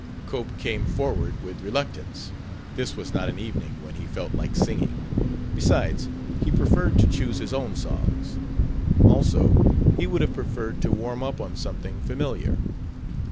Cope came forward with reluctance: this was not an evening when he felt like singing; besides, he preferred to choose his own songs. Also, he would have preferred to warm up on something familiar.